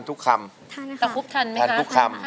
ธันทุกคำ